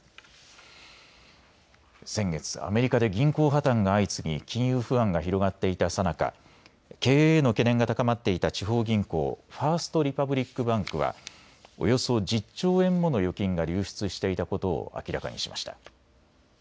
先月、アメリカで銀行破綻が相次ぎ金融不安が広がっていたさなか、経営への懸念が高まっていた地方銀行、ファースト・リパブリック・バンクはおよそ１０兆円もの預金が流出していたことを明らかにしました。